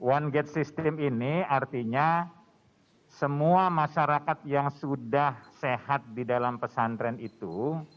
one gate system ini artinya semua masyarakat yang sudah sehat di dalam pesantren itu